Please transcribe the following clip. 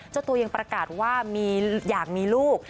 เจ้าตัวยังประกาศว่าอยากมีลูก